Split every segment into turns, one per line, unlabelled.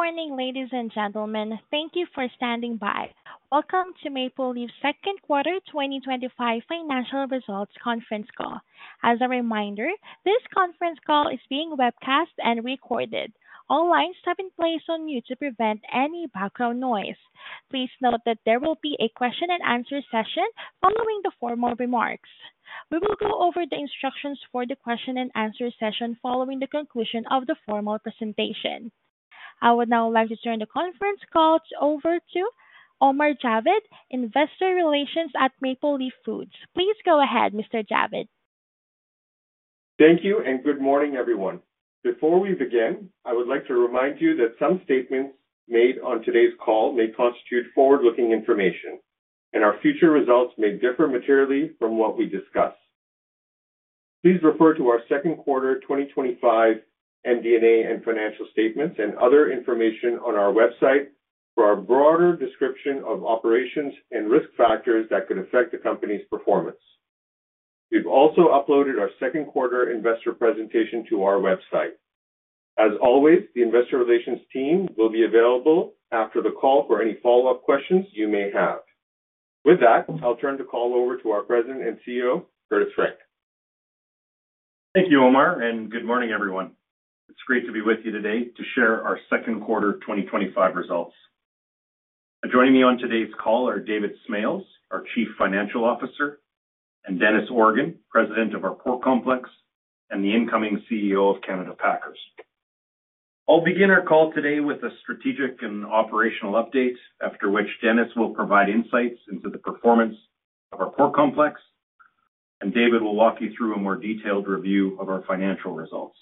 Morning, ladies and gentlemen. Thank you for standing by. Welcome to Maple Leaf's Second Quarter 2025 Financial Results Conference Call. As a reminder, this conference call is being webcast and recorded. All lines have been placed on mute to prevent any background noise. Please note that there will be a question and answer session following the formal remarks. We will go over the instructions for the question and answer session following the conclusion of the formal presentation. I would now like to turn the conference call over to Omar Javed, Investor Relations at Maple Leaf Foods. Please go ahead, Mr. Javed.
Thank you, and good morning, everyone. Before we begin, I would like to remind you that some statements made on today's call may constitute forward-looking information, and our future results may differ materially from what we discuss. Please refer to our second quarter 2025 MD&A and financial statements and other information on our website for our broader description of operations and risk factors that could affect the company's performance. We've also uploaded our second quarter investor presentation to our website. As always, the Investor Relations team will be available after the call for any follow-up questions you may have. With that, I'll turn the call over to our President and CEO, Curtis Frank.
Thank you, Omar, and good morning, everyone. It's great to be with you today to share our second quarter 2025 results. Joining me on today's call are David Smales, our Chief Financial Officer, and Dennis Organ, President of our Pork Complex and the incoming CEO of Canada Packers. I'll begin our call today with a strategic and operational update, after which Dennis will provide insights into the performance of our pork complex, and David will walk you through a more detailed review of our financial results.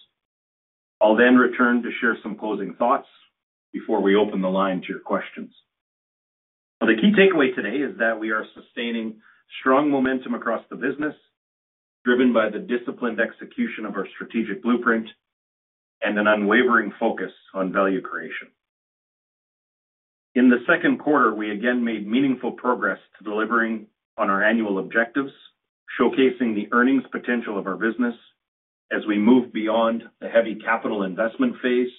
I'll then return to share some closing thoughts before we open the line to your questions. Now, the key takeaway today is that we are sustaining strong momentum across the business, driven by the disciplined execution of our strategic blueprint and an unwavering focus on value creation. In the second quarter, we again made meaningful progress to delivering on our annual objectives, showcasing the earnings potential of our business as we move beyond the heavy capital investment phase,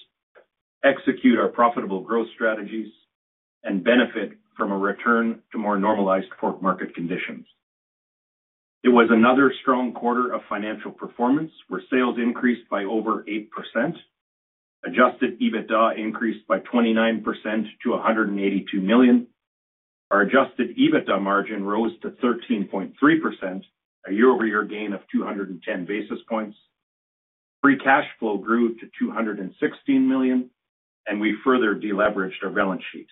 execute our profitable growth strategies, and benefit from a return to more normalized pork market conditions. It was another strong quarter of financial performance, where sales increased by over 8%, adjusted EBITDA increased by 29% to 182 million. Our adjusted EBITDA margin rose to 13.3%, a year-over-year gain of 210 basis points. Free cash flow grew to 216 million, and we further deleveraged our balance sheet.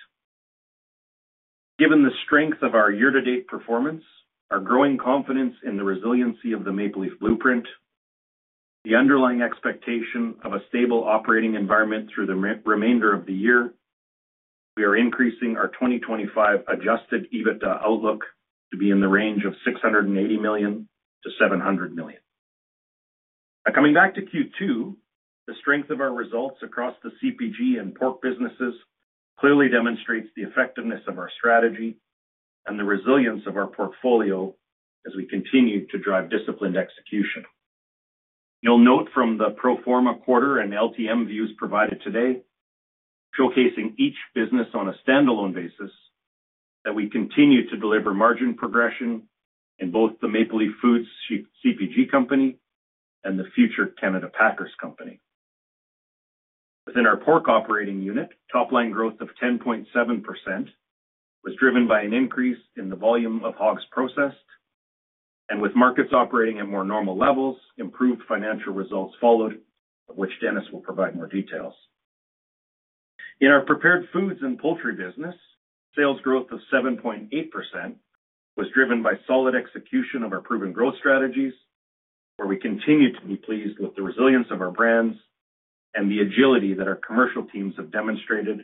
Given the strength of our year-to-date performance, our growing confidence in the resiliency of the Maple Leaf blueprint, the underlying expectation of a stable operating environment through the remainder of the year, we are increasing our 2025 adjusted EBITDA outlook to be in the range of 680 million-700 million. Now, coming back to Q2, the strength of our results across the CPG and pork businesses clearly demonstrates the effectiveness of our strategy and the resilience of our portfolio as we continue to drive disciplined execution. You'll note from the pro forma quarter and LTM views provided today, showcasing each business on a standalone basis, that we continue to deliver margin progression in both the Maple Leaf Foods CPG Company and the future Canada Packers Company. Within our pork operating unit, top line growth of 10.7% was driven by an increase in the volume of hogs processed, and with markets operating at more normal levels, improved financial results followed, of which Janet will provide more details. In our Prepared Foods and Poultry business, sales growth of 7.8% was driven by solid execution of our proven growth strategies, where we continue to be pleased with the resilience of our brands and the agility that our commercial teams have demonstrated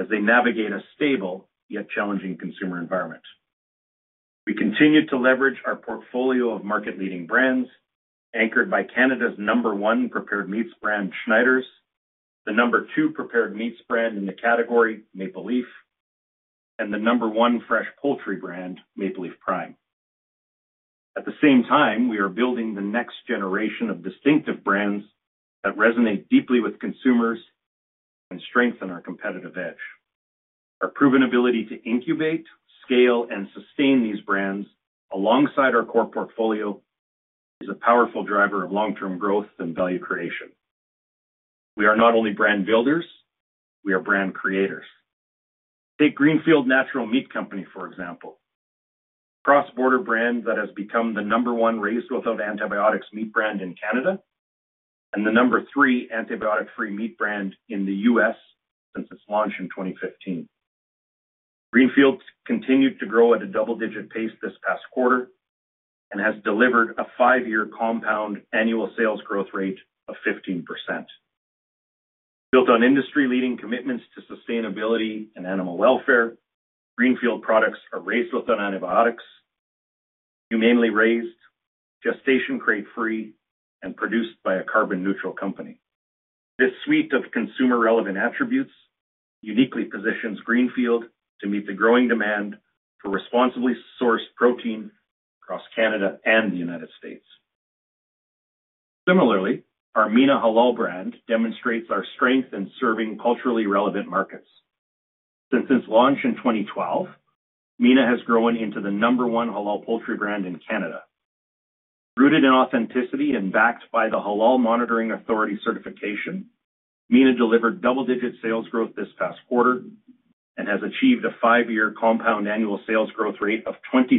as they navigate a stable yet challenging consumer environment. We continue to leverage our portfolio of market-leading brands, anchored by Canada's number one prepared meats brand, Schneider’s, the number two prepared meats brand in the category, Maple Leaf, and the number one fresh poultry brand, Maple Leaf Prime. At the same time, we are building the next generation of distinctive brands that resonate deeply with consumers and strengthen our competitive edge. Our proven ability to incubate, scale, and sustain these brands alongside our core portfolio is a powerful driver of long-term growth and value creation. We are not only brand builders, we are brand creators. Take Greenfield Natural Meat Co., for example, a cross-border brand that has become the number one raised without antibiotics meat brand in Canada and the number three antibiotic-free meat brand in the U.S. since its launch in 2015. Greenfield continued to grow at a double-digit pace this past quarter and has delivered a five-year compound annual sales growth rate of 15%. Built on industry-leading commitments to sustainability and animal welfare, Greenfield products are raised without antibiotics, humanely raised, gestation-crate-free, and produced by a carbon-neutral company. This suite of consumer-relevant attributes uniquely positions Greenfield to meet the growing demand for responsibly sourced protein across Canada and the United States. Similarly, our Mina Halal brand demonstrates our strength in serving culturally relevant markets. Since its launch in 2012, Mina has grown into the number one halal poultry brand in Canada. Rooted in authenticity and backed by the Halal Monitoring Authority certification, Mina delivered double-digit sales growth this past quarter and has achieved a five-year compound annual sales growth rate of 23%,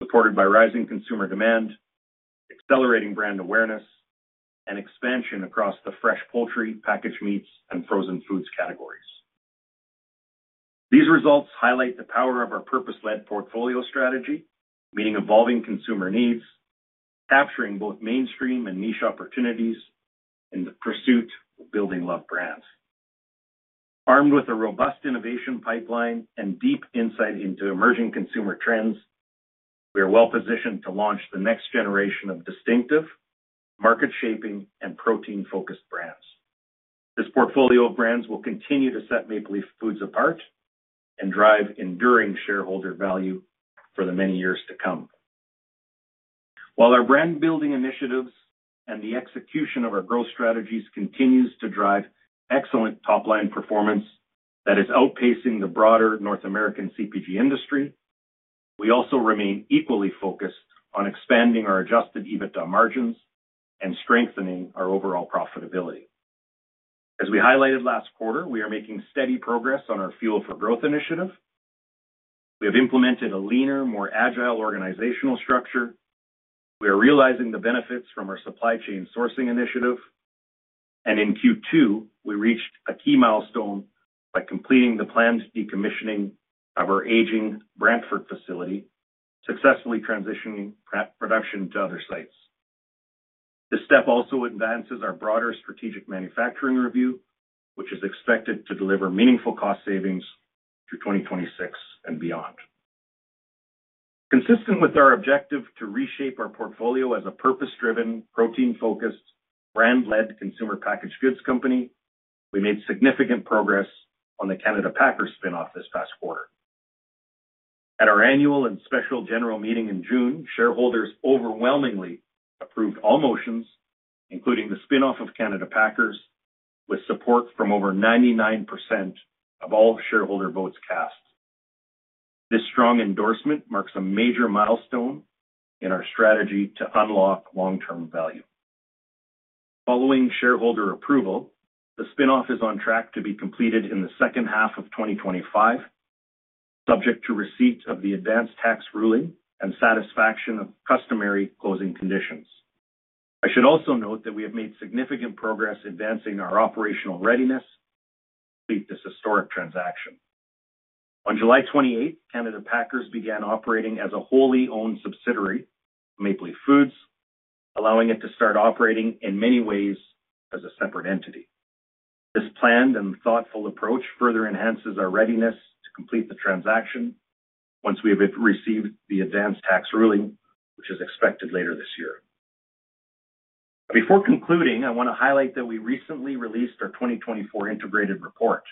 supported by rising consumer demand, accelerating brand awareness, and expansion across the fresh poultry, packaged meats, and frozen foods categories. These results highlight the power of our purpose-led portfolio strategy, meeting evolving consumer needs, capturing both mainstream and niche opportunities in the pursuit of building love brands. Armed with a robust innovation pipeline and deep insight into emerging consumer trends, we are well-positioned to launch the next generation of distinctive, market-shaping, and protein-focused brands. This portfolio of brands will continue to set Maple Leaf Foods apart and drive enduring shareholder value for the many years to come. While our brand-building initiatives and the execution of our growth strategies continue to drive excellent top-line performance that is outpacing the broader North American CPG industry, we also remain equally focused on expanding our adjusted EBITDA margins and strengthening our overall profitability. As we highlighted last quarter, we are making steady progress on our Fuel for Growth initiative. We have implemented a leaner, more agile organizational structure. We are realizing the benefits from our supply chain sourcing initiative, and in Q2, we reached a key milestone by completing the planned decommissioning of our aging Brantford facility, successfully transitioning production to other sites. This step also advances our broader strategic manufacturing review, which is expected to deliver meaningful cost savings through 2026 and beyond. Consistent with our objective to reshape our portfolio as a purpose-driven, protein-focused, brand-led consumer packaged goods company, we made significant progress on the Canada Packers spin-off this past quarter. At our annual and special general meeting in June, shareholders overwhelmingly approved all motions, including the spin-off of Canada Packers, with support from over 99% of all shareholder votes cast. This strong endorsement marks a major milestone in our strategy to unlock long-term value. Following shareholder approval, the spin-off is on track to be completed in the second half of 2025, subject to receipt of the advanced tax ruling and satisfaction of customary closing conditions. I should also note that we have made significant progress advancing our operational readiness to complete this historic transaction. On July 28, Canada Packers began operating as a wholly owned subsidiary of Maple Leaf Foods, allowing it to start operating in many ways as a separate entity. This planned and thoughtful approach further enhances our readiness to complete the transaction once we have received the advanced tax ruling, which is expected later this year. Before concluding, I want to highlight that we recently released our 2024 integrated report,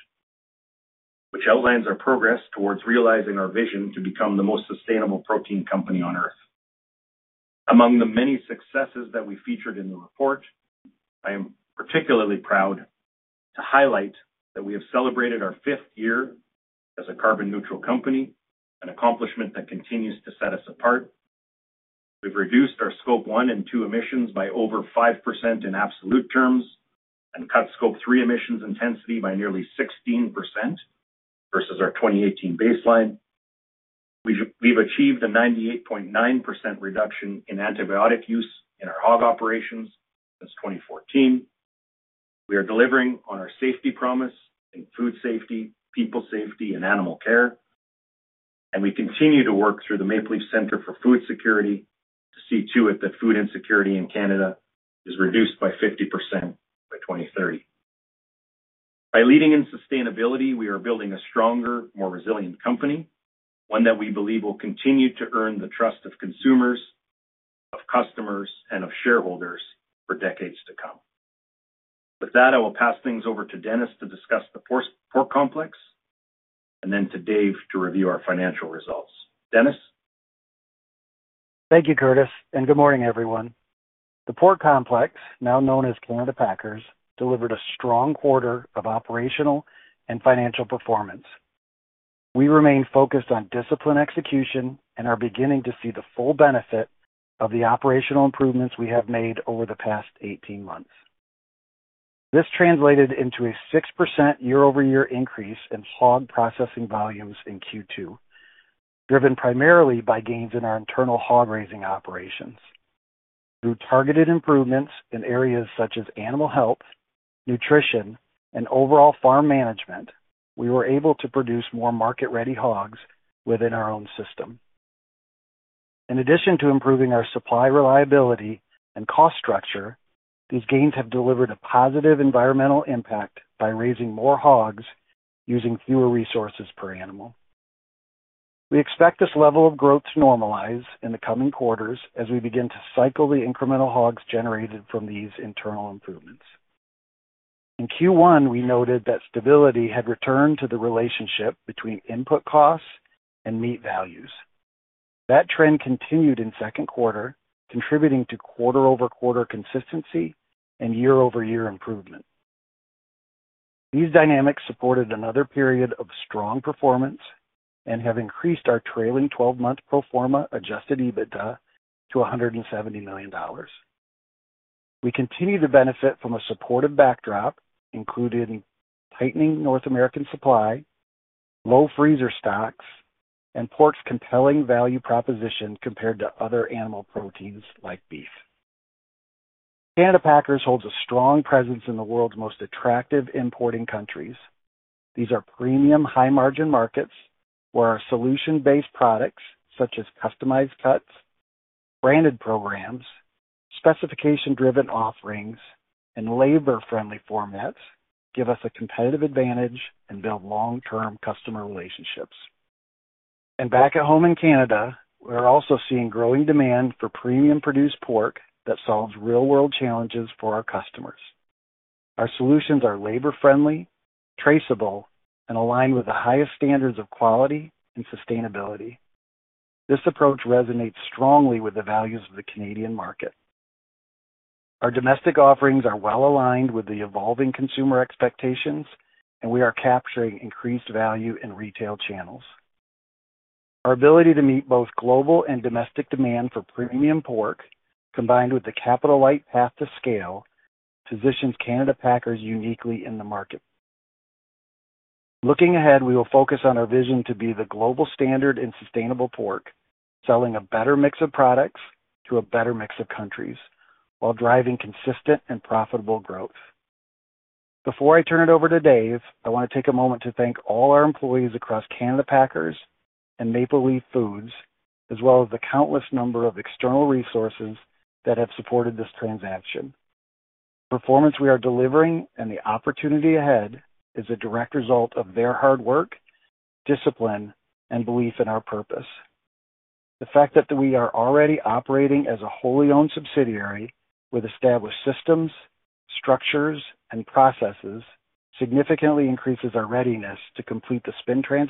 which outlines our progress towards realizing our vision to become the most sustainable protein company on Earth. Among the many successes that we featured in the report, I am particularly proud to highlight that we have celebrated our fifth year as a carbon-neutral company, an accomplishment that continues to set us apart. We've reduced our Scope 1 and 2 emissions by over 5% in absolute terms and cut Scope 3 emissions intensity by nearly 16% versus our 2018 baseline. We've achieved a 98.9% reduction in antibiotic use in our hog operations since 2014. We are delivering on our safety promise in food safety, people safety, and animal care, and we continue to work through the Maple Leaf Centre for Food Security to see to it that food insecurity in Canada is reduced by 50% by 2030. By leading in sustainability, we are building a stronger, more resilient company, one that we believe will continue to earn the trust of consumers, of customers, and of shareholders for decades to come. With that, I will pass things over to Dennis to discuss the Pork Complex and then to Dave to review our financial results. Dennis.
Thank you, Curtis, and good morning, everyone. The Pork Complex, now known as Canada Packers, delivered a strong quarter of operational and financial performance. We remain focused on disciplined execution and are beginning to see the full benefit of the operational improvements we have made over the past 18 months. This translated into a 6% year-over-year increase in hog processing volumes in Q2, driven primarily by gains in our internal hog raising operations. Through targeted improvements in areas such as animal health, nutrition, and overall farm management, we were able to produce more market-ready hogs within our own system. In addition to improving our supply reliability and cost structure, these gains have delivered a positive environmental impact by raising more hogs using fewer resources per animal. We expect this level of growth to normalize in the coming quarters as we begin to cycle the incremental hogs generated from these internal improvements. In Q1, we noted that stability had returned to the relationship between input costs and meat values. That trend continued in the second quarter, contributing to quarter-over-quarter consistency and year-over-year improvement. These dynamics supported another period of strong performance and have increased our trailing 12-month pro forma adjusted EBITDA to 170 million dollars. We continue to benefit from a supportive backdrop, including tightening North American supply, low freezer stocks, and pork's compelling value proposition compared to other animal proteins like beef. Canada Packers holds a strong presence in the world's most attractive importing countries. These are premium, high-margin markets where our solution-based products, such as customized cuts, branded programs, specification-driven offerings, and labor-friendly formats, give us a competitive advantage and build long-term customer relationships. Back at home in Canada, we're also seeing growing demand for premium-produced pork that solves real-world challenges for our customers. Our solutions are labor-friendly, traceable, and aligned with the highest standards of quality and sustainability. This approach resonates strongly with the values of the Canadian market. Our domestic offerings are well-aligned with the evolving consumer expectations, and we are capturing increased value in retail channels. Our ability to meet both global and domestic demand for premium pork, combined with the capital-light path to scale, positions Canada Packers uniquely in the market. Looking ahead, we will focus on our vision to be the global standard in sustainable pork, selling a better mix of products to a better mix of countries while driving consistent and profitable growth. Before I turn it over to Dave, I want to take a moment to thank all our employees across Canada Packers and Maple Leaf Foods, as well as the countless number of external resources that have supported this transaction. The performance we are delivering and the opportunity ahead is a direct result of their hard work, discipline, and belief in our purpose. The fact that we are already operating as a wholly owned subsidiary with established systems, structures, and processes significantly increases our readiness to complete the spin-off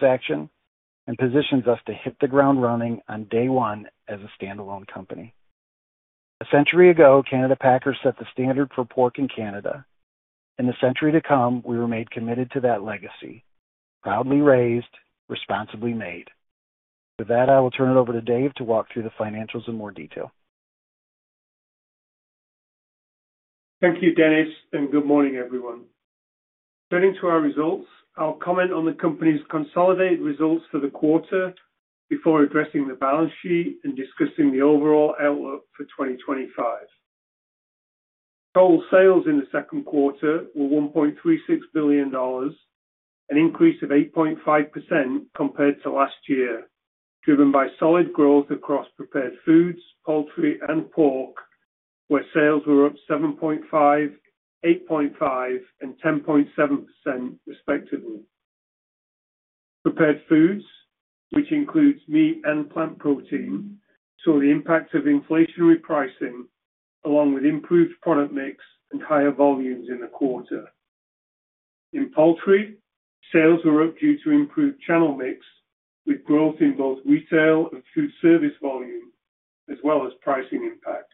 transaction and positions us to hit the ground running on day one as a standalone company. A century ago, Canada Packers set the standard for pork in Canada. In the century to come, we remain committed to that legacy, proudly raised, responsibly made. With that, I will turn it over to Dave to walk through the financials in more detail.
Thank you, Dennis, and good morning, everyone. Turning to our results, I'll comment on the company's consolidated results for the quarter before addressing the balance sheet and discussing the overall outlook for 2025. Total sales in the second quarter were 1.36 billion dollars, an increase of 8.5% compared to last year, driven by solid growth across prepared foods, poultry, and pork, where sales were up 7.5%, 8.5%, and 10.7% respectively. Prepared foods, which includes meat and plant protein, saw the impact of inflationary pricing, along with improved product mix and higher volumes in the quarter. In poultry, sales were up due to improved channel mix, with growth in both retail and food service volume, as well as pricing impacts.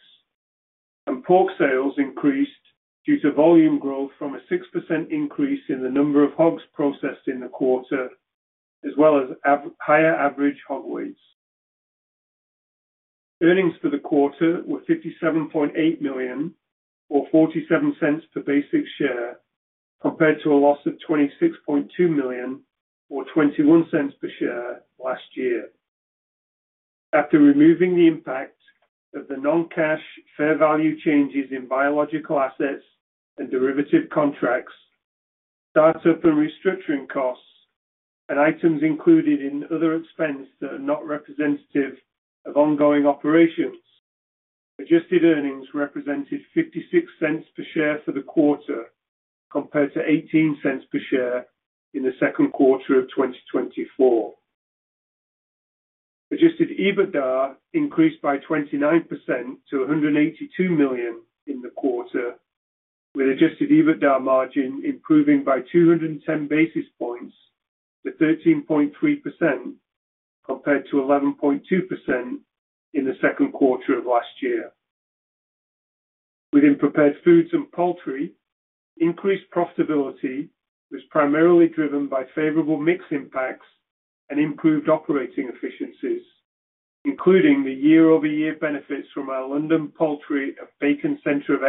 Pork sales increased due to volume growth from a 6% increase in the number of hogs processed in the quarter, as well as higher average hog weights. Earnings for the quarter were 57.8 million, or 0.47 per basic share, compared to a loss of 26.2 million, or 0.21 per share, last year. After removing the impact of the non-cash fair value changes in biological assets and derivative contracts, startup and restructuring costs, and items included in other expenses that are not representative of ongoing operations, adjusted earnings represented 0.56 per share for the quarter, compared to 0.18 per share in the second quarter of 2024. Adjusted EBITDA increased by 29% to 182 million in the quarter, with adjusted EBITDA margin improving by 210 basis points to 13.3%, compared to 11.2% in the second quarter of last year. Within prepared foods and poultry, increased profitability was primarily driven by favorable mix impacts and improved operating efficiencies, including the year-over-year benefits from our London Poultry and Bacon Center of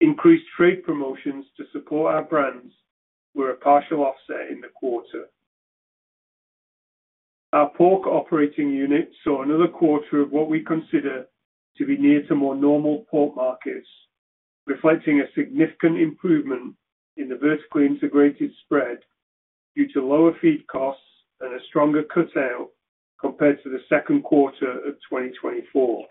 Excellence facilities. Increased trade promotions to support our brands were a partial offset in the quarter. Our pork operating unit saw another quarter of what we consider to be near to more normal pork markets, reflecting a significant improvement in the vertically integrated spread due to lower feed costs and a stronger cutout compared to the second quarter of 2024.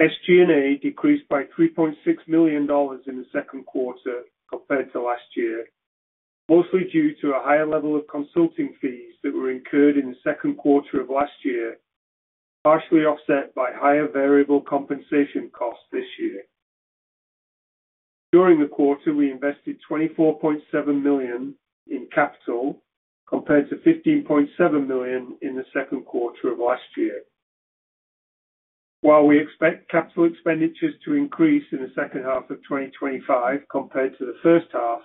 SG&A decreased by 3.6 million dollars in the second quarter compared to last year, mostly due to a higher level of consulting fees that were incurred in the second quarter of last year, partially offset by higher variable compensation costs this year. During the quarter, we invested 24.7 million in capital, compared to 15.7 million in the second quarter of last year. While we expect capital expenditures to increase in the second half of 2025 compared to the first half,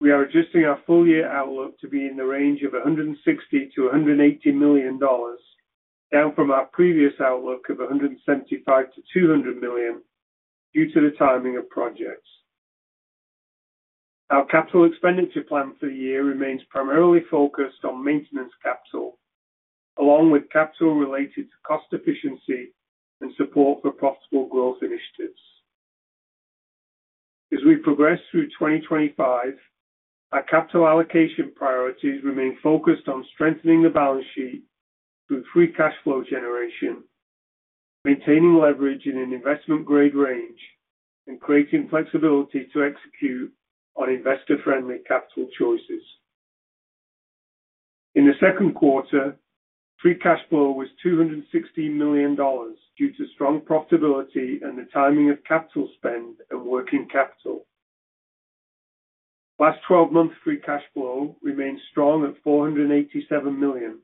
we are adjusting our full-year outlook to be in the range of 160 million-180 million dollars, down from our previous outlook of 175 million-200 million due to the timing of projects. Our capital expenditure plan for the year remains primarily focused on maintenance capital, along with capital related to cost efficiency and support for possible growth initiatives. As we progress through 2025, our capital allocation priorities remain focused on strengthening the balance sheet through free cash flow generation, maintaining leverage in an investment-grade range, and creating flexibility to execute on investor-friendly capital choices. In the second quarter, free cash flow was 216 million dollars due to strong profitability and the timing of capital spend at working capital. Last 12-month free cash flow remains strong at 487 million,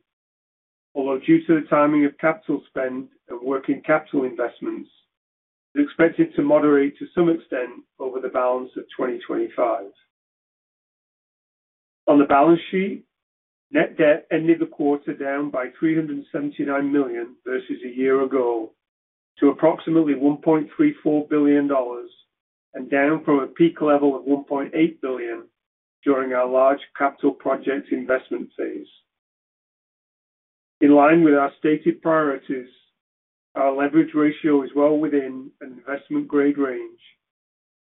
although due to the timing of capital spend at working capital investments, it's expected to moderate to some extent over the balance of 2025. On the balance sheet, net debt ended the quarter down by 379 million versus a year ago to approximately 1.34 billion dollars and down from a peak level of 1.8 billion during our large capital project investment phase. In line with our stated priorities, our leverage ratio is well within an investment-grade range,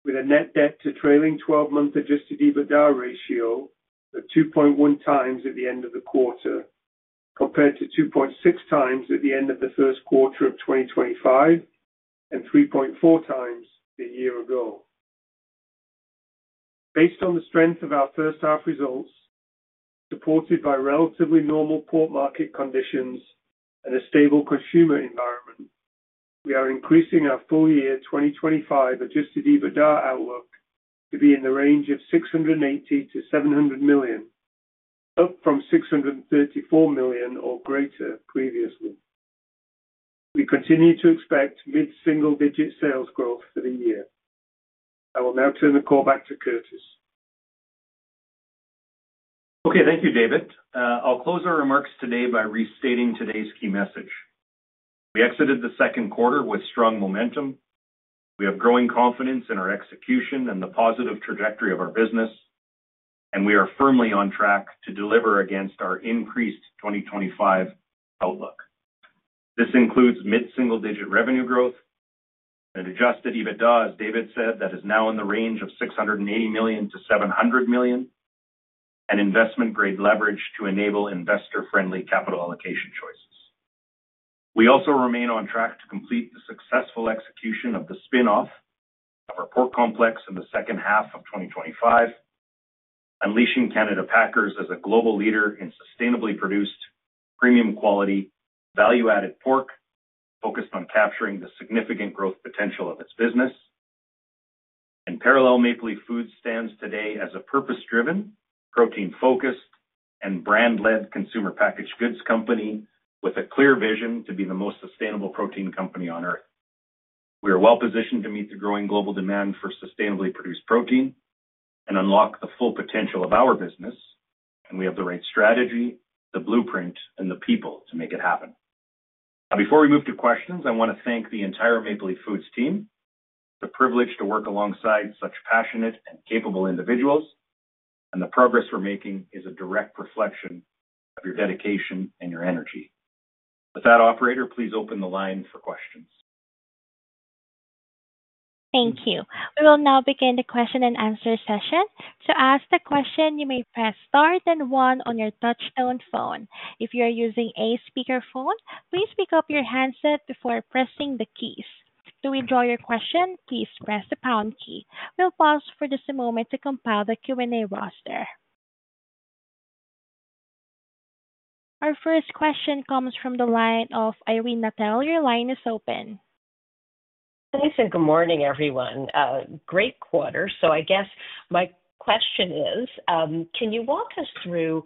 with a net debt to trailing 12-month adjusted EBITDA ratio of 2.1x at the end of the quarter, compared to 2.6x at the end of the first quarter of 2025 and 3.4x a year ago. Based on the strength of our first half results, supported by relatively normal pork market conditions and a stable consumer environment, we are increasing our full-year 2025 adjusted EBITDA outlook to be in the range of 680 million-700 million, up from 634 million or greater previously. We continue to expect mid-single-digit sales growth for the year. I will now turn the call back to Curtis.
Okay, thank you, David. I'll close our remarks today by restating today's key message. We exited the second quarter with strong momentum. We have growing confidence in our execution and the positive trajectory of our business, and we are firmly on track to deliver against our increased 2025 outlook. This includes mid-single-digit revenue growth, an adjusted EBITDA, as David said, that is now in the range of 680 million-700 million, and investment-grade leverage to enable investor-friendly capital allocation choices. We also remain on track to complete the successful execution of the spin-off for a Pork Complex in the second half of 2025, unleashing Canada Packers as a global leader in sustainably produced, premium quality, value-added pork, focused on capturing the significant growth potential of its business. Parallel, Maple Leaf Foods stands today as a purpose-driven, protein-focused, and brand-led consumer packaged goods company with a clear vision to be the most sustainable protein company on Earth. We are well-positioned to meet the growing global demand for sustainably produced protein and unlock the full potential of our business, and we have the right strategy, the blueprint, and the people to make it happen. Now, before we move to questions, I want to thank the entire Maple Leaf Foods team. It's a privilege to work alongside such passionate and capable individuals, and the progress we're making is a direct reflection of your dedication and your energy. With that, operator, please open the line for questions.
Thank you. We will now begin the question and answer session. To ask the question, you may press star then one on your touch-tone phone. If you are using a speaker phone, please pick up your handset before pressing the keys. To withdraw your question, please press the pound key. We'll pause for just a moment to compile the Q&A roster. Our first question comes from the line of Irene Nattel. Your line is open.
Thanks, and good morning, everyone. Great quarter. I guess my question is, can you walk us through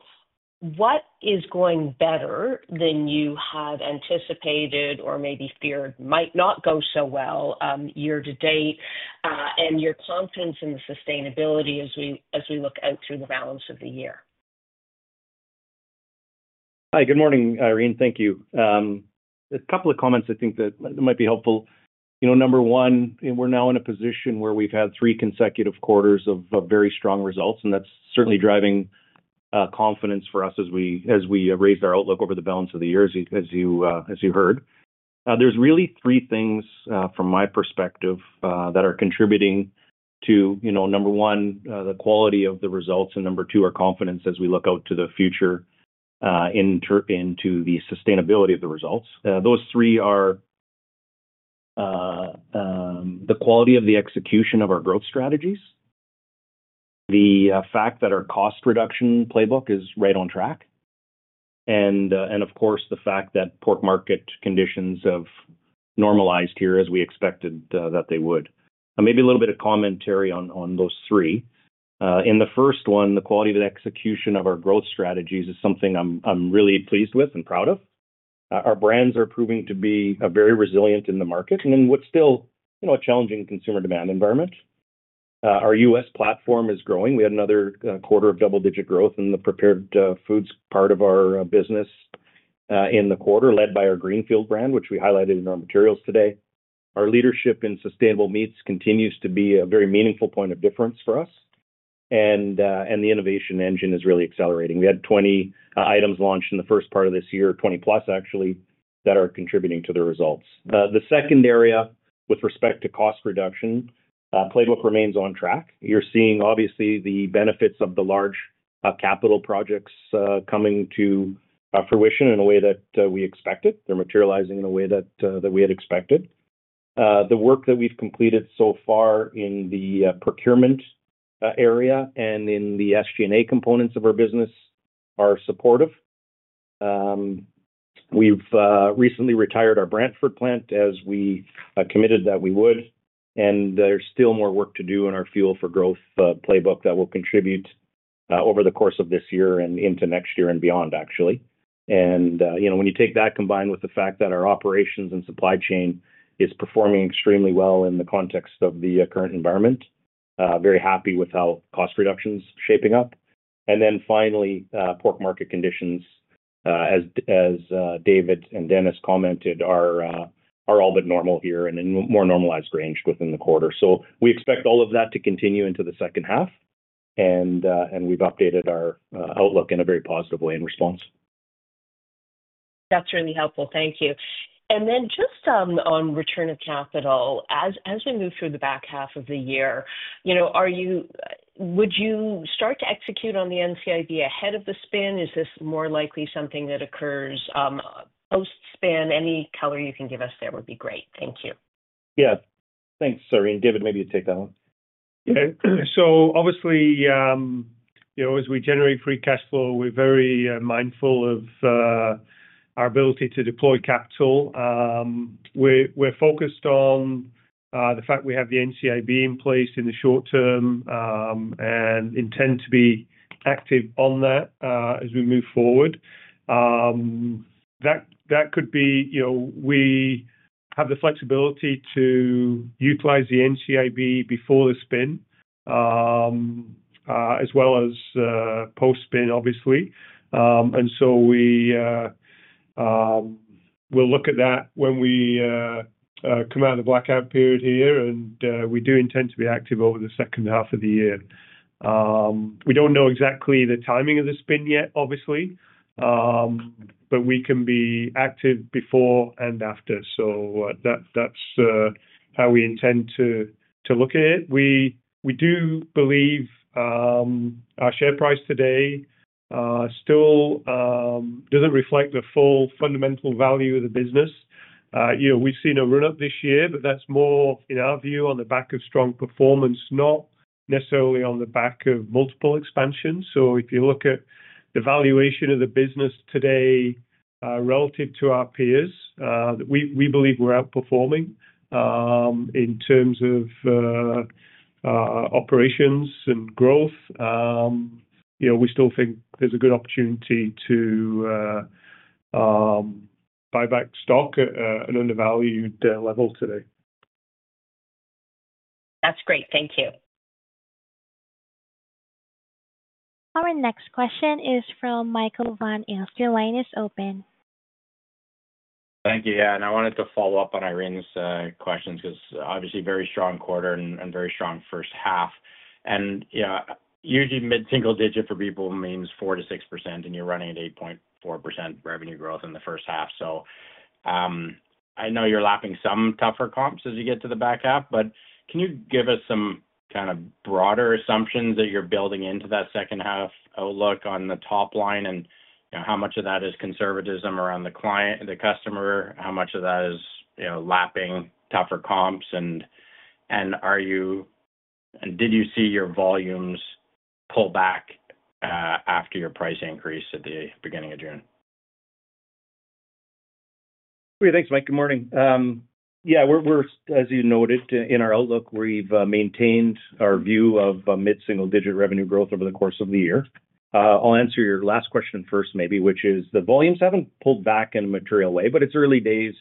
what is going better than you had anticipated or maybe feared might not go so well year to date, and your confidence in the sustainability as we look out through the balance of the year?
Hi, good morning, Irene. Thank you. A couple of comments I think that might be helpful. Number one, we're now in a position where we've had three consecutive quarters of very strong results, and that's certainly driving confidence for us as we raise our outlook over the balance of the year, as you heard. There are really three things from my perspective that are contributing to, number one, the quality of the results, and number two, our confidence as we look out to the future into the sustainability of the results. Those three are the quality of the execution of our growth strategies, the fact that our cost reduction playbook is right on track, and of course, the fact that pork market conditions have normalized here as we expected that they would. Maybe a little bit of commentary on those three. In the first one, the quality of the execution of our growth strategies is something I'm really pleased with and proud of. Our brands are proving to be very resilient in the market, and in what's still a challenging consumer demand environment. Our U.S. platform is growing. We had another quarter of double-digit growth in the Prepared Foods part of our business in the quarter, led by our Greenfield brand, which we highlighted in our materials today. Our leadership in sustainable meats continues to be a very meaningful point of difference for us, and the innovation engine is really accelerating. We had 20 items launched in the first part of this year, 20 plus, actually, that are contributing to the results. The second area with respect to cost reduction, playbook remains on track. You're seeing, obviously, the benefits of the large capital projects coming to fruition in a way that we expected. They're materializing in a way that we had expected. The work that we've completed so far in the procurement area and in the SG&A components of our business are supportive. We've recently retired our Brantford plant as we committed that we would, and there's still more work to do in our Fuel for Growth playbook that will contribute over the course of this year and into next year and beyond, actually. When you take that combined with the fact that our operations and supply chain is performing extremely well in the context of the current environment, very happy with how cost reduction is shaping up. Finally, pork market conditions, as David and Dennis commented, are all but normal here and in a more normalized range within the quarter. We expect all of that to continue into the second half, and we've updated our outlook in a very positive way in response.
That's really helpful. Thank you. Just on return of capital, as we move through the back half of the year, would you start to execute on the NCIB ahead of the spin? Is this more likely something that occurs post-spin? Any color you can give us there would be great. Thank you.
Yeah, thanks, Irene. David, maybe you take that one.
Obviously, as we generate free cash flow, we're very mindful of our ability to deploy capital. We're focused on the fact we have the NCIB in place in the short term and intend to be active on that as we move forward. That could be, we have the flexibility to utilize the NCIB before the spin, as well as post-spin, obviously. We will look at that when we come out of the blackout period here, and we do intend to be active over the second half of the year. We don't know exactly the timing of the spin yet, obviously, but we can be active before and after. That's how we intend to look at it. We do believe our share price today still doesn't reflect the full fundamental value of the business. We've seen a run-up this year, but that's more, in our view, on the back of strong performance, not necessarily on the back of multiple expansions. If you look at the valuation of the business today relative to our peers, we believe we're outperforming in terms of operations and growth. We still think there's a good opportunity to buy back stock at an undervalued level today.
That's great. Thank you.
Our next question is from Michael Van Aelst. Your line is open.
Thank you, yeah, I wanted to follow up on Irene's questions because obviously a very strong quarter and a very strong first half. Usually mid-single digit for people means 4% to 6% and you're running at 8.4% revenue growth in the first half. I know you're lapping some tougher comps as you get to the back half, but can you give us some kind of broader assumptions that you're building into that second half outlook on the top line and how much of that is conservatism around the client, the customer, how much of that is lapping tougher comps? Did you see your volumes pull back after your price increase at the beginning of June?
Great, thanks, Mike. Good morning. As you noted, in our outlook, we've maintained our view of mid-single digit revenue growth over the course of the year. I'll answer your last question first, which is the volumes haven't pulled back in a material way, but it's early days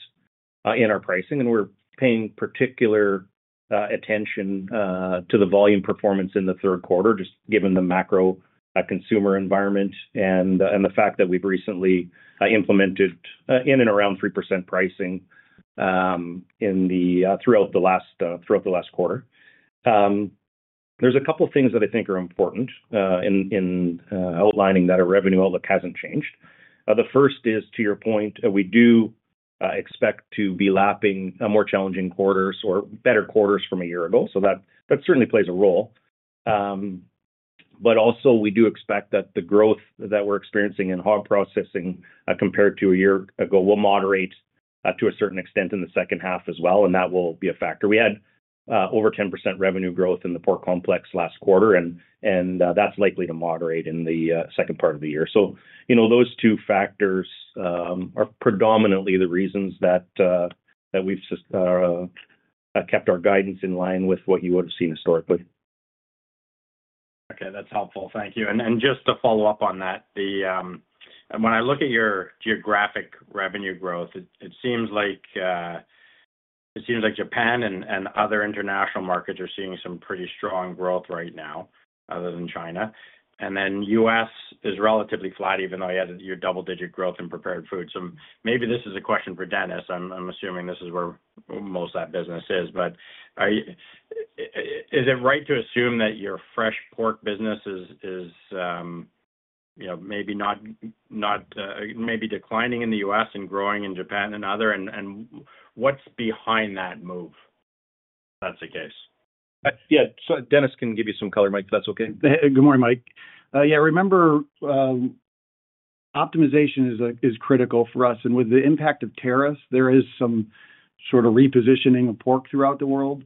in our pricing, and we're paying particular attention to the volume performance in the third quarter, just given the macro consumer environment and the fact that we've recently implemented in and around 3% pricing throughout the last quarter. There are a couple of things that I think are important in outlining that our revenue outlook hasn't changed. The first is, to your point, we do expect to be lapping more challenging quarters or better quarters from a year ago. That certainly plays a role. We do expect that the growth that we're experiencing in hog processing compared to a year ago will moderate to a certain extent in the second half as well, and that will be a factor. We had over 10% revenue growth in the Pork Complex last quarter, and that's likely to moderate in the second part of the year. Those two factors are predominantly the reasons that we've just kept our guidance in line with what you would have seen historically.
Okay, that's helpful. Thank you. Just to follow up on that, when I look at your geographic revenue growth, it seems like Japan and other international markets are seeing some pretty strong growth right now, other than China. The U.S. is relatively flat, even though you had your double-digit growth in prepared foods. Maybe this is a question for Dennis. I'm assuming this is where most of that business is. Is it right to assume that your fresh pork business is maybe declining in the U.S. and growing in Japan and other? What's behind that move, if that's the case?
Yeah, so Dennis can give you some color, Mike, if that's okay.
Good morning, Mike. Yeah, remember, optimization is critical for us. With the impact of tariffs, there is some sort of repositioning of pork throughout the world.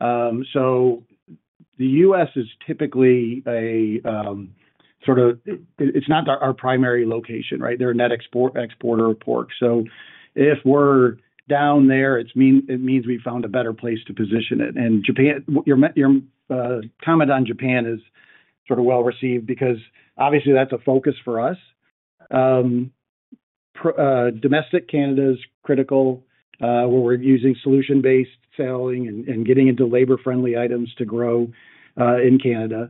The U.S. is typically a sort of, it's not our primary location, right? They're a net exporter of pork. If we're down there, it means we found a better place to position it. Your comment on Japan is well-received because obviously that's a focus for us. Domestic Canada is critical where we're using solution-based selling and getting into labor-friendly items to grow in Canada.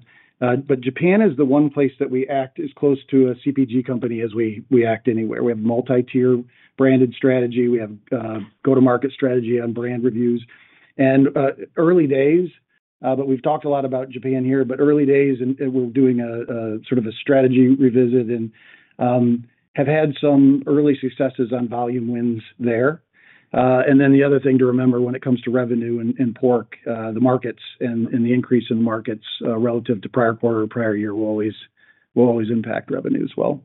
Japan is the one place that we act as close to a CPG company as we act anywhere. We have a multi-tier branded strategy. We have a go-to-market strategy on brand reviews. Early days, but we've talked a lot about Japan here, early days, and we're doing a sort of a strategy revisit and have had some early successes on volume wins there. The other thing to remember when it comes to revenue and pork, the markets and the increase in the markets relative to prior quarter or prior year will always impact revenue as well.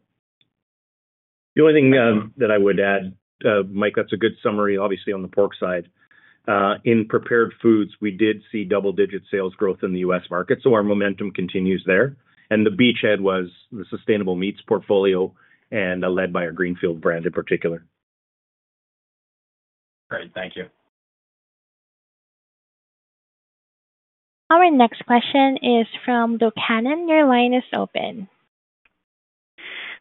The only thing that I would add, Mike, that's a good summary, obviously, on the pork side. In Prepared Foods, we did see double-digit sales growth in the U.S. market. Our momentum continues there. The beachhead was the sustainable meats portfolio, led by our Greenfield brand in particular.
All right, thank you.
Our next question is from Luke Hannan. Your line is open.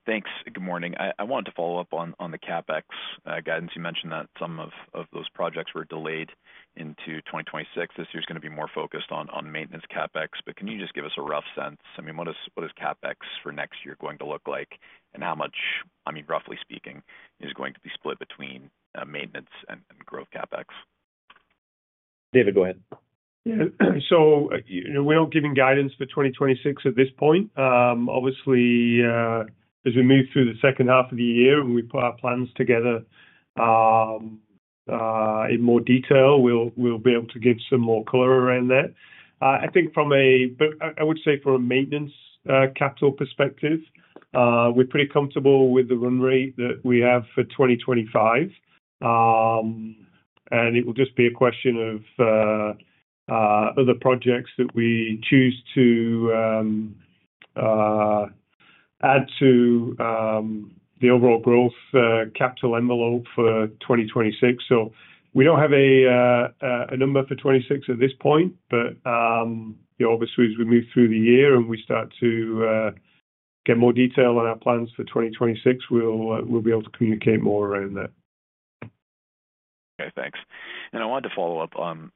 Thanks. Good morning. I wanted to follow up on the CapEx guidance. You mentioned that some of those projects were delayed into 2026. This year’s going to be more focused on maintenance CapEx. Can you just give us a rough sense? I mean, what is CapEx for next year going to look like? How much, I mean, roughly speaking, is going to be split between maintenance and growth CapEx?
David, go ahead.
Yeah, we're not giving guidance for 2026 at this point. Obviously, as we move through the second half of the year and we put our plans together in more detail, we'll be able to give some more color around that. I think from a, I would say from a maintenance capital perspective, we're pretty comfortable with the run rate that we have for 2025. It will just be a question of other projects that we choose to add to the overall growth capital envelope for 2026. We don't have a number for 2026 at this point, but obviously, as we move through the year and we start to get more detail on our plans for 2026, we'll be able to communicate more around that.
Okay, thanks. I wanted to follow up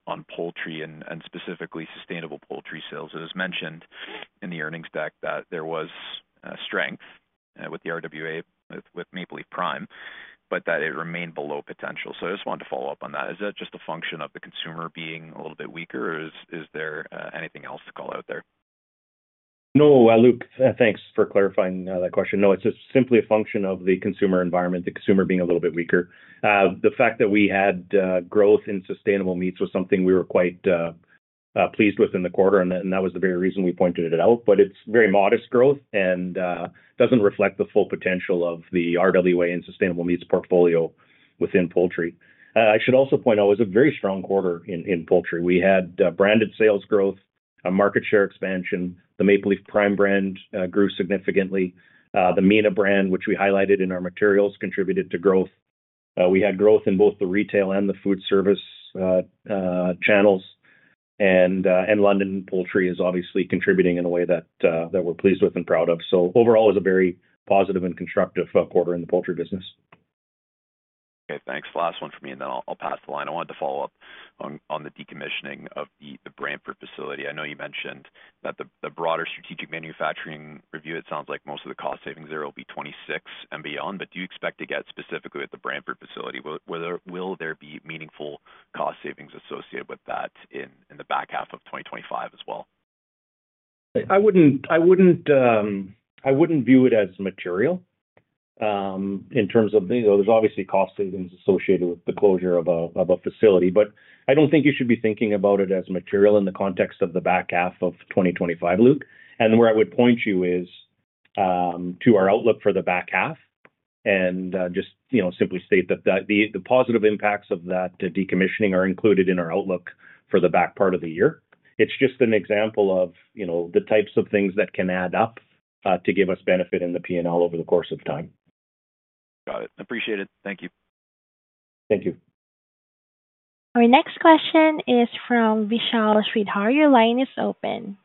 on poultry and specifically sustainable poultry sales. It was mentioned in the earnings deck that there was strength with the RWA with Maple Leaf Prime, but that it remained below potential. I just wanted to follow up on that. Is that just a function of the consumer being a little bit weaker, or is there anything else to call out there?
No, Luke, thanks for clarifying that question. No, it's just simply a function of the consumer environment, the consumer being a little bit weaker. The fact that we had growth in sustainable meats was something we were quite pleased with in the quarter, and that was the very reason we pointed it out. It's very modest growth and doesn't reflect the full potential of the RWA and sustainable meats portfolio within poultry. I should also point out it was a very strong quarter in poultry. We had branded sales growth, a market share expansion. The Maple Leaf Prime brand grew significantly. The Mina brand, which we highlighted in our materials, contributed to growth. We had growth in both the retail and the food service channels. London Poultry is obviously contributing in a way that we're pleased with and proud of. Overall, it was a very positive and constructive quarter in the poultry business.
Okay, thanks. The last one for me, and then I'll pass the line. I wanted to follow up on the decommissioning of the Brantford facility. I know you mentioned that the broader strategic manufacturing review, it sounds like most of the cost savings there will be 2026 and beyond. Do you expect to get specifically at the Brantford facility? Will there be meaningful cost savings associated with that in the back half of 2025 as well?
I wouldn't view it as material in terms of, you know, there's obviously cost savings associated with the closure of a facility, but I don't think you should be thinking about it as material in the context of the back half of 2025, Luke. Where I would point you is to our outlook for the back half and just, you know, simply state that the positive impacts of that decommissioning are included in our outlook for the back part of the year. It's just an example of the types of things that can add up to give us benefit in the P&L over the course of time.
Got it. Appreciate it. Thank you.
Thank you.
Our next question is from Vishal Shreedhar. Your line is open.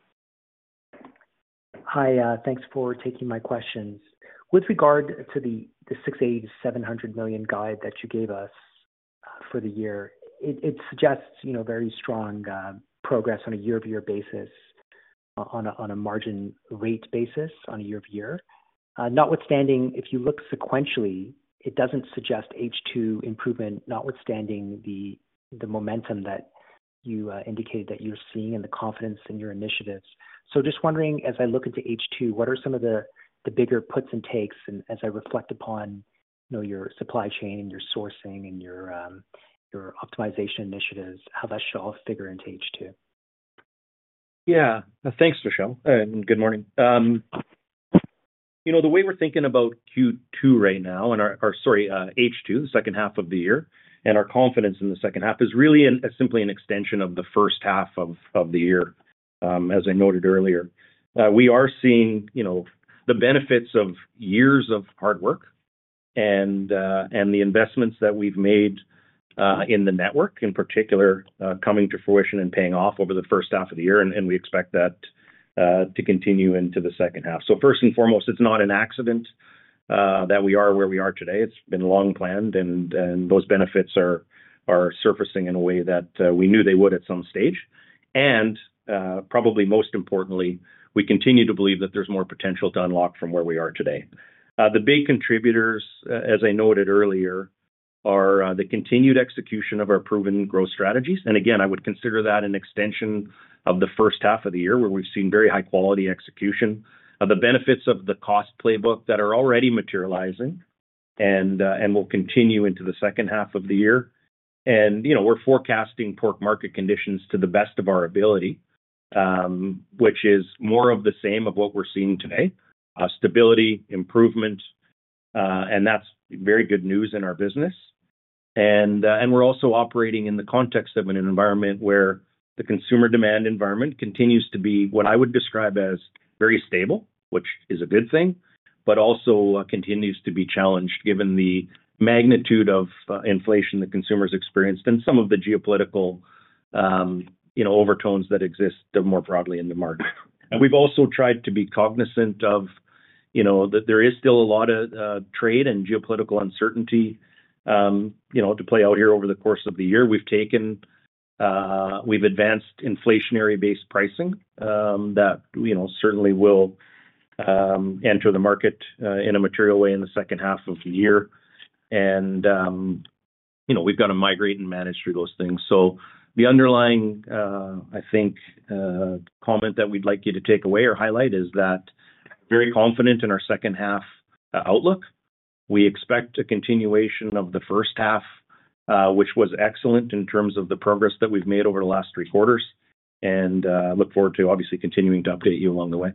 Hi, thanks for taking my questions. With regard to the 680 million-700 million guide that you gave us for the year, it suggests, you know, very strong progress on a year-over-year basis, on a margin rate basis on a year-over-year. Notwithstanding, if you look sequentially, it doesn't suggest H2 improvement, notwithstanding the momentum that you indicated that you're seeing and the confidence in your initiatives. Just wondering, as I look into H2, what are some of the bigger puts and takes? As I reflect upon, you know, your supply chain and your sourcing and your optimization initiatives, how that shall figure into H2?
Yeah, thanks, Vishal. Good morning. The way we're thinking about Q2 right now, and H2, the second half of the year, and our confidence in the second half is really simply an extension of the first half of the year. As I noted earlier, we are seeing the benefits of years of hard work and the investments that we've made in the network, in particular, coming to fruition and paying off over the first half of the year. We expect that to continue into the second half. First and foremost, it's not an accident that we are where we are today. It's been long planned, and those benefits are surfacing in a way that we knew they would at some stage. Probably most importantly, we continue to believe that there's more potential to unlock from where we are today. The big contributors, as I noted earlier, are the continued execution of our proven growth strategies. I would consider that an extension of the first half of the year where we've seen very high-quality execution, the benefits of the cost playbook that are already materializing and will continue into the second half of the year. We're forecasting pork market conditions to the best of our ability, which is more of the same of what we're seeing today: stability, improvement, and that's very good news in our business. We're also operating in the context of an environment where the consumer demand environment continues to be what I would describe as very stable, which is a good thing, but also continues to be challenged given the magnitude of inflation the consumers experienced and some of the geopolitical overtones that exist more broadly in the market. We've also tried to be cognizant of the fact that there is still a lot of trade and geopolitical uncertainty to play out here over the course of the year. We've advanced inflationary-based pricing that certainly will enter the market in a material way in the second half of the year. We've got to migrate and manage through those things. The underlying comment that we'd like you to take away or highlight is that we're very confident in our second half outlook. We expect a continuation of the first half, which was excellent in terms of the progress that we've made over the last three quarters. I look forward to obviously continuing to update you along the way.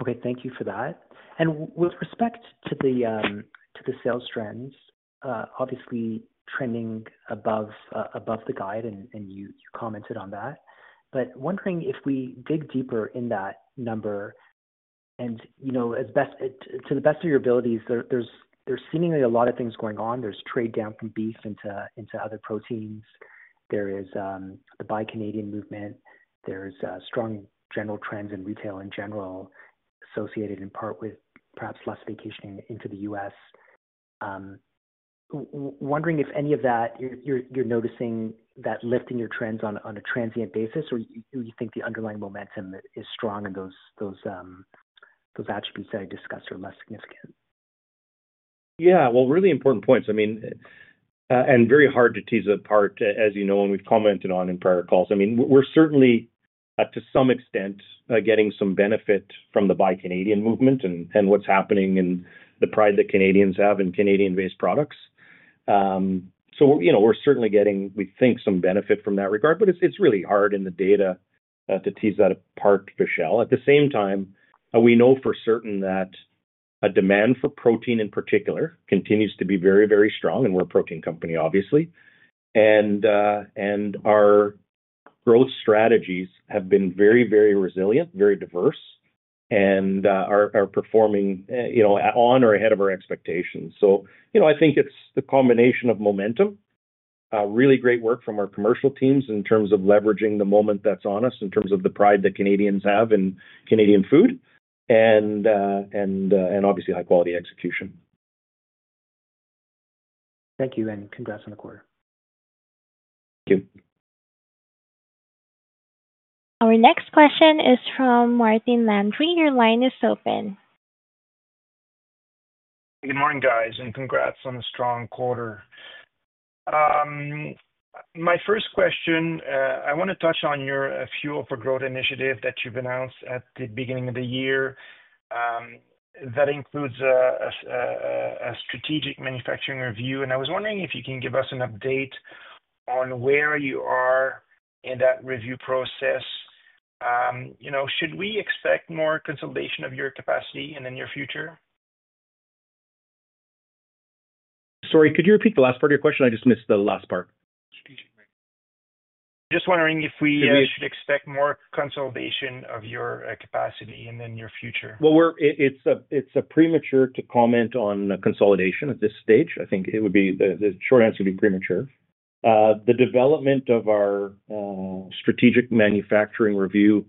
Okay, thank you for that. With respect to the sales trends, obviously trending above the guide, and you commented on that. Wondering if we dig deeper in that number and, you know, as best to the best of your abilities, there's seemingly a lot of things going on. There's trade down from beef into other proteins. There is the Buy Canadian movement. There's strong general trends in retail in general, associated in part with perhaps less vacationing into the U.S. Wondering if any of that, you're noticing that lift in your trends on a transient basis, or do you think the underlying momentum is strong and those attributes that I discussed are less significant?
Really important points. I mean, and very hard to tease apart, as you know, and we've commented on in prior calls. We're certainly to some extent getting some benefit from the Buy Canadian movement and what's happening and the pride that Canadians have in Canadian-based products. We're certainly getting, we think, some benefit from that regard, but it's really hard in the data to tease that apart, Vishal. At the same time, we know for certain that a demand for protein in particular continues to be very, very strong, and we're a protein company, obviously. Our growth strategies have been very, very resilient, very diverse, and are performing on or ahead of our expectations. I think it's the combination of momentum, really great work from our commercial teams in terms of leveraging the moment that's on us in terms of the pride that Canadians have in Canadian food, and obviously high-quality execution.
Thank you, and congrats on the quarter.
Thank you.
Our next question is from Martin Landry. Your line is open.
Good morning, guys, and congrats on a strong quarter. My first question, I want to touch on your Fuel for Growth initiative that you've announced at the beginning of the year. That includes a strategic manufacturing review, and I was wondering if you can give us an update on where you are in that review process. Should we expect more consolidation of your capacity in the near future?
Sorry, could you repeat the last part of your question? I just missed the last part.
Just wondering if we should expect more consolidation of your capacity in the near future.
It is premature to comment on consolidation at this stage. I think the short answer would be premature. The development of our strategic manufacturing review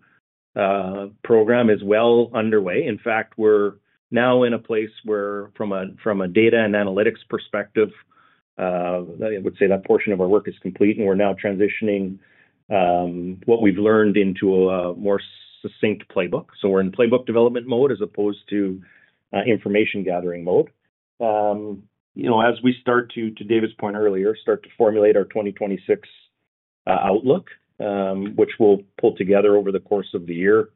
program is well underway. In fact, we are now in a place where, from a data and analytics perspective, I would say that portion of our work is complete, and we are now transitioning what we have learned into a more succinct playbook. We are in playbook development mode as opposed to information gathering mode. As we start to, to David's point earlier, start to formulate our 2026 outlook, which we will pull together over the course of the year,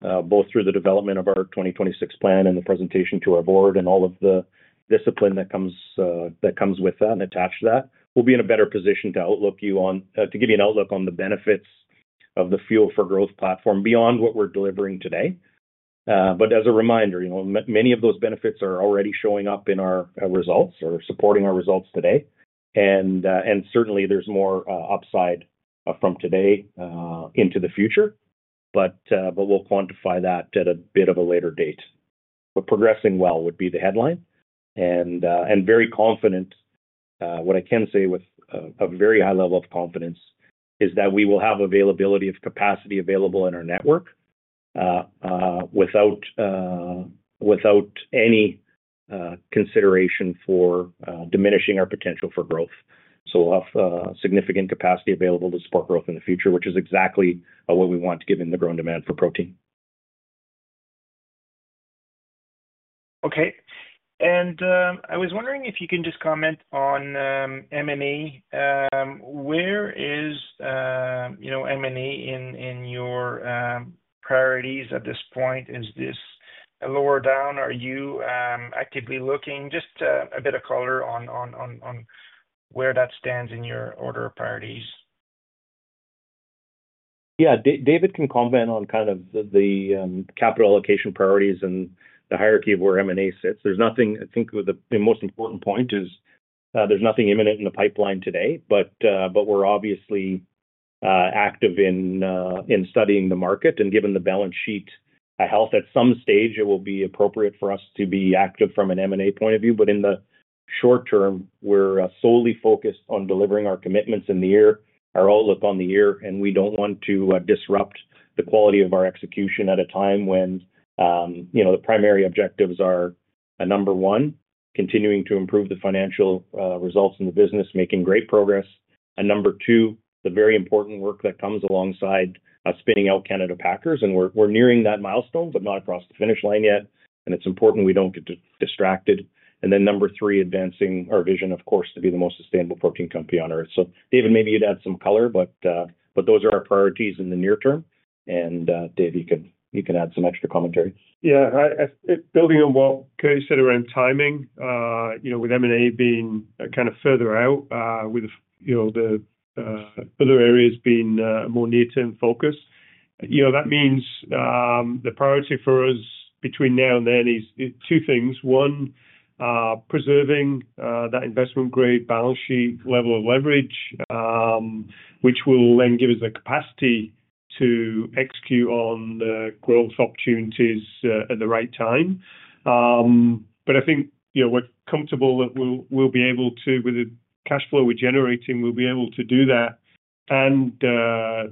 both through the development of our 2026 plan and the presentation to our board and all of the discipline that comes with that and attached to that, we will be in a better position to give you an outlook on the benefits of the Fuel for Growth program beyond what we are delivering today. As a reminder, many of those benefits are already showing up in our results or supporting our results today. Certainly, there is more upside from today into the future, but we will quantify that at a bit of a later date. Progressing well would be the headline. Very confident, what I can say with a very high level of confidence is that we will have availability of capacity available in our network without any consideration for diminishing our potential for growth. We will have significant capacity available to support growth in the future, which is exactly what we want given the growing demand for protein.
Okay. I was wondering if you can just comment on M&A. Where is, you know, M&A in your priorities at this point? Is this lower down? Are you actively looking? Just a bit of color on where that stands in your order of priorities.
Yeah, David can comment on kind of the capital allocation priorities and the hierarchy of where M&A sits. There's nothing, I think the most important point is there's nothing imminent in the pipeline today, but we're obviously active in studying the market, and given the balance sheet health, at some stage, it will be appropriate for us to be active from an M&A point of view. In the short term, we're solely focused on delivering our commitments in the year, our outlook on the year, and we don't want to disrupt the quality of our execution at a time when the primary objectives are, number one, continuing to improve the financial results in the business, making great progress. Number two, the very important work that comes alongside spinning out Canada Packers, and we're nearing that milestone, but not across the finish line yet, and it's important we don't get distracted. Number three, advancing our vision, of course, to be the most sustainable protein company on Earth. Dave, maybe you'd add some color, but those are our priorities in the near term. Dave, you can add some extra commentary.
Yeah, building on what Gary said around timing, with M&A being kind of further out, with the other areas being more near-term focused, that means the priority for us between now and then is two things. One, preserving that investment-grade balance sheet level of leverage, which will then give us the capacity to execute on the growth opportunities at the right time. I think we're comfortable that we'll be able to, with the cash flow we're generating, do that and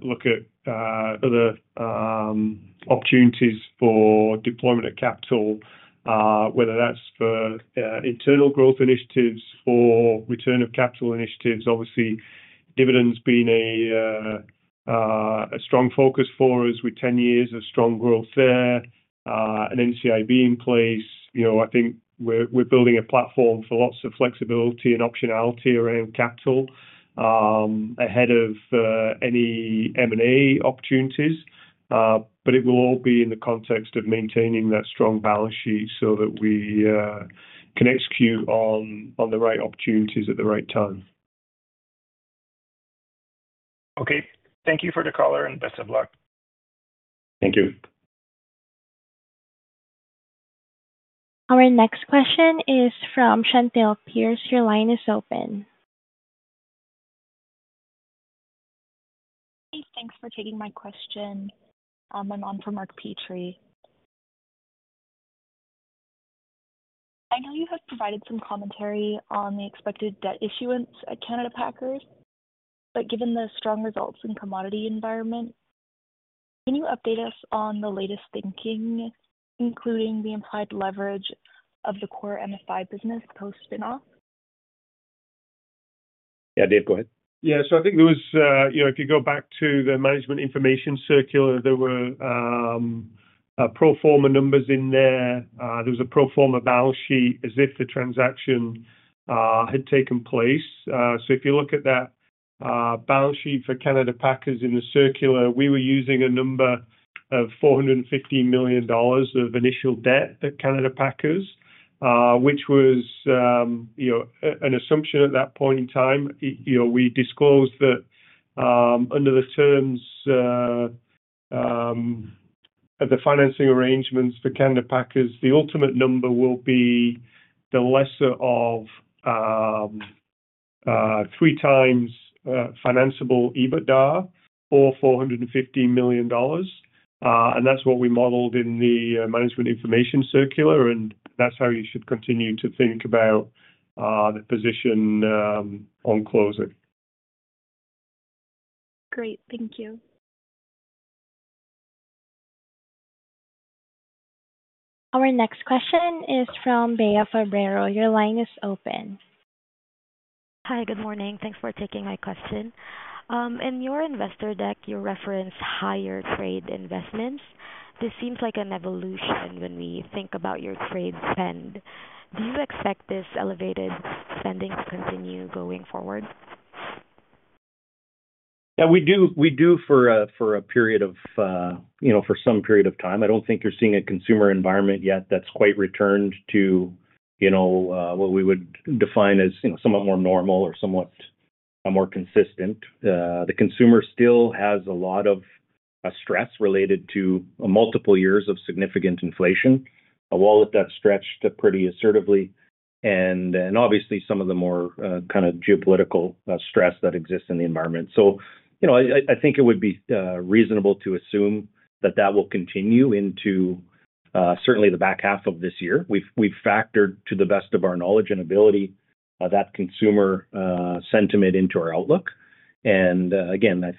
look at other opportunities for deployment of capital, whether that's for internal growth initiatives or for return of capital initiatives. Obviously, dividends being a strong focus for us with 10 years of strong growth there, an NCIB in place. I think we're building a platform for lots of flexibility and optionality around capital ahead of any M&A opportunities. It will all be in the context of maintaining that strong balance sheet so that we can execute on the right opportunities at the right time.
Okay, thank you for the color and best of luck.
Thank you.
Our next question is from Chantel Pearce. Your line is open.
Hey, thanks for taking my question. I'm on for Mark Petrie. I know you had provided some commentary on the expected debt issuance at Canada Packers, but given the strong results in the commodity environment, can you update us on the latest thinking, including the implied leverage of the core MSI business post-spin-off?
Yeah, Dave, go ahead.
Yeah, I think there was, you know, if you go back to the management information circular, there were pro forma numbers in there. There was a pro forma balance sheet as if the transaction had taken place. If you look at that balance sheet for Canada Packers in the circular, we were using a number of 450 million dollars of initial debt at Canada Packers, which was, you know, an assumption at that point in time. We disclosed that under the terms of the financing arrangements for Canada Packers, the ultimate number will be the lesser of three times financeable EBITDA or 450 million dollars. That's what we modeled in the management information circular, and that's how you should continue to think about the position on closing.
Great, thank you.
Our next question is from Bea Fabrero. Your line is open.
Hi, good morning. Thanks for taking my question. In your investor deck, you reference higher trade investments. This seems like an evolution when we think about your trade spend. Do you expect this elevated spending to continue going forward?
Yeah, we do for a period of, you know, for some period of time. I don't think you're seeing a consumer environment yet that's quite returned to, you know, what we would define as, you know, somewhat more normal or somewhat more consistent. The consumer still has a lot of stress related to multiple years of significant inflation, a wallet that's stretched pretty assertively, and obviously, some of the more kind of geopolitical stress that exists in the environment. I think it would be reasonable to assume that that will continue into certainly the back half of this year. We've factored, to the best of our knowledge and ability, that consumer sentiment into our outlook. I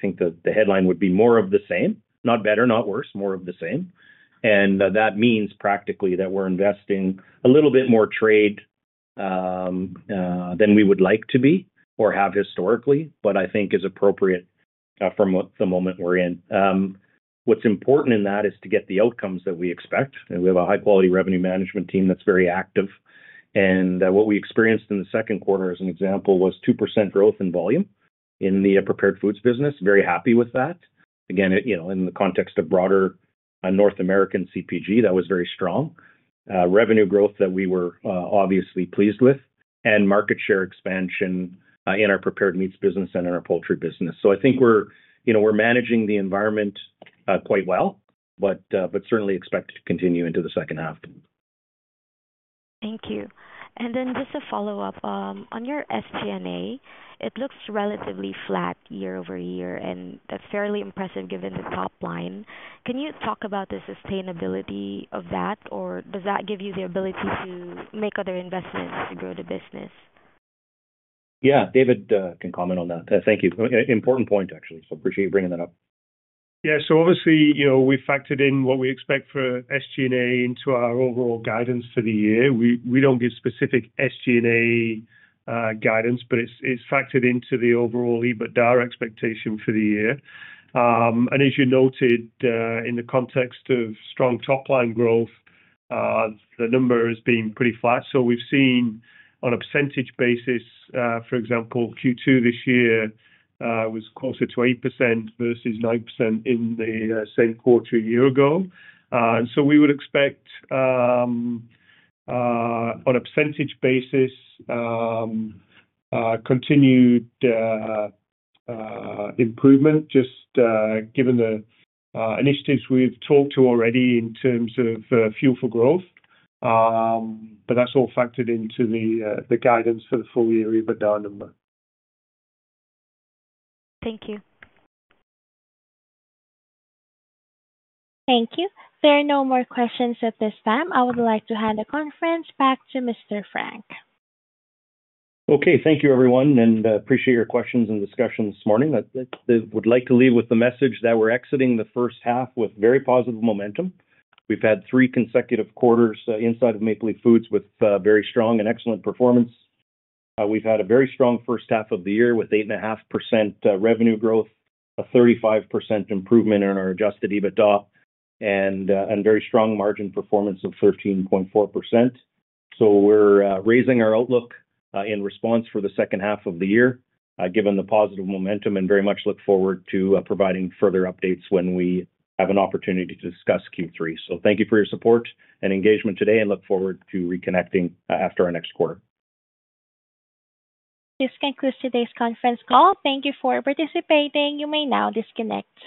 think the headline would be more of the same, not better, not worse, more of the same. That means practically that we're investing a little bit more trade than we would like to be or have historically, but I think is appropriate from the moment we're in. What's important in that is to get the outcomes that we expect. We have a high-quality revenue management team that's very active. What we experienced in the second quarter, as an example, was 2% growth in volume in the prepared foods business, very happy with that. In the context of broader North American CPG, that was very strong. Revenue growth that we were obviously pleased with, and market share expansion in our prepared meats business and in our poultry business. I think we're, you know, we're managing the environment quite well, but certainly expect it to continue into the second half.
Thank you. Just to follow up, on your SG&A, it looks relatively flat year over year, and that's fairly impressive given the top line. Can you talk about the sustainability of that, or does that give you the ability to make other investments to grow the business?
Yeah, David can comment on that. Thank you. Important point, actually. I appreciate you bringing that up.
Yeah, obviously, we've factored in what we expect for SG&A into our overall guidance for the year. We don't give specific SG&A guidance, but it's factored into the overall EBITDA expectation for the year. As you noted, in the context of strong top line growth, the number has been pretty flat. We've seen on a percentage basis, for example, Q2 this year was closer to 8% versus 9% in the same quarter a year ago. We would expect on a percentage basis continued improvement, just given the initiatives we've talked to already in terms of Fuel for Growth. That's all factored into the guidance for the full year EBITDA number.
Thank you.
Thank you. There are no more questions at this time. I would like to hand the conference back to Mr. Frank.
Okay, thank you, everyone, and I appreciate your questions and discussion this morning. I would like to leave with the message that we're exiting the first half with very positive momentum. We've had three consecutive quarters inside of Maple Leaf Foods with very strong and excellent performance. We've had a very strong first half of the year with 8.5% revenue growth, a 35% improvement in our adjusted EBITDA, and a very strong margin performance of 13.4%. We are raising our outlook in response for the second half of the year, given the positive momentum, and very much look forward to providing further updates when we have an opportunity to discuss Q3. Thank you for your support and engagement today, and look forward to reconnecting after our next quarter.
This concludes today's conference call. Thank you for participating. You may now disconnect.